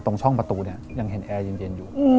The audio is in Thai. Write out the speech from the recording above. ตรงช่องประตูยังเห็นแอร์หยุ่นเย็น